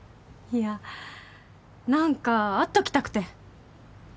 いや。何か会っときたくて